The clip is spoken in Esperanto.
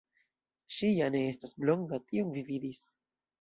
Ŝi ja ne estas blonda, tion vi vidis.